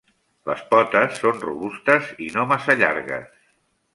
Les potes són robustes i no massa llargues.